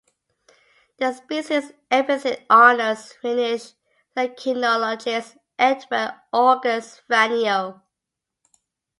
The species epithet honours Finnish lichenologist Edvard August Vainio.